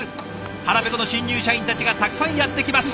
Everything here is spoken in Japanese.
腹ペコの新入社員たちがたくさんやって来ます！